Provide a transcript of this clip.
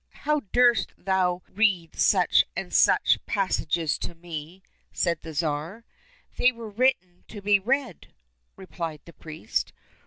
" How durst thou read such and such passages to me ?" said the Tsar. —" They were written to be read," replied the priest.